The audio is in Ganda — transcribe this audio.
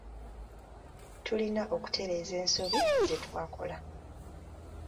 Tulina okutereeza ensobi ze twakola